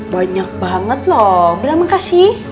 banyak banget loh bilang makasih